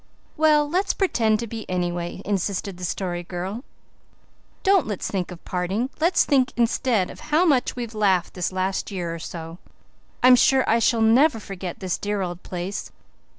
"Well, let's pretend to be, anyway," insisted the Story Girl. "Don't let's think of parting. Let's think instead of how much we've laughed this last year or so. I'm sure I shall never forget this dear old place.